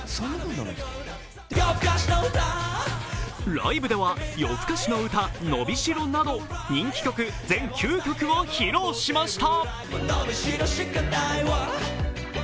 ライブでは「よふかしのうた」「のびしろ」など人気曲全９曲を披露しました。